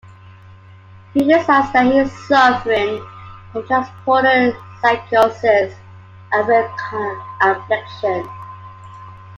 He decides that he is suffering from transporter psychosis, a rare affliction.